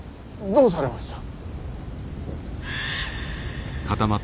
どうされました。